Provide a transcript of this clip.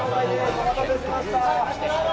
お待たせしました。